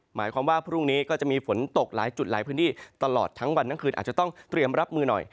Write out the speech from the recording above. หมายความว่าพรุ่งนี้ก็จะมีฝนตกหลายจุดหลายพื้นที่ตลอดทั้งวันทั้งคืนอาจจะต้องเตรียมรับมือหน่อย